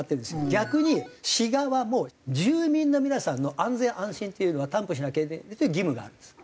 逆に市側も住民の皆さんの安全・安心っていうのは担保しなきゃそういう義務があるんです。